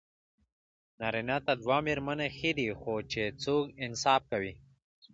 نارېنه ته دوه ميرمني ښې دي، خو چې څوک انصاف کوي